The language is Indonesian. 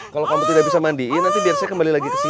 kalau kamu tidak bisa mandiin nanti biasanya kembali lagi ke sini